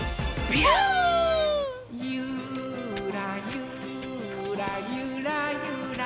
「ゆーらゆーらゆらゆらりー」